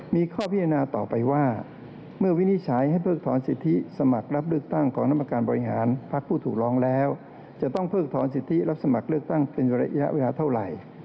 มีข้อพิจารณาต่อไปว่าเมื่อวินิจฉัยให้เพิกถอนสิทธิสมัครรับเลือกตั้งของกรรมการบริหารพักผู้ถูกร้องแล้วจะต้องเพิกถอนสิทธิรับสมัครเลือกตั้งเป็นระยะเวลาเท่าไหร่